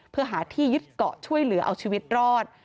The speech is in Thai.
เพื่อหาที่ยึดเกาะช่วยเหลือเอาชีวิตรอด